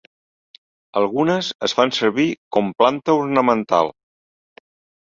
Algunes es fan servir com planta ornamental.